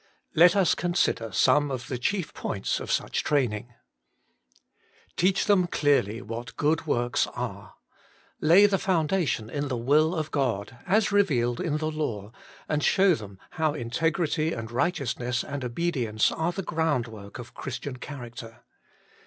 Let us consider some of the chief points of such training. Teach them clearly what good works are. Lay the foundation in the will of God, as revealed in the law, and show them how integrity and righteousness and obedience 113 114 Working for God are the groundwork of Christian character.